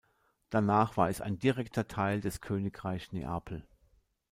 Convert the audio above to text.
Danach war es direkter Teil des Königreich Neapel.